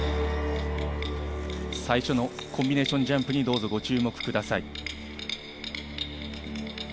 最初のコンビネーションジャンプにどうぞご注目ください。